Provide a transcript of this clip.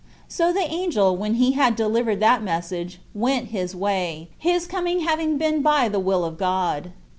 So the angel, when he had delivered that message, went his way, his coming having been by the will of God.